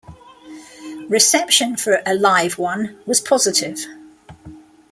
Reception for "A Live One" was positive.